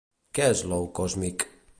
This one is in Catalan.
Què és l'ou còsmic?